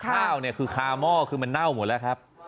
แล้วก็ข้าวคือคาหม้อมันเน่าหมดแล้วครับ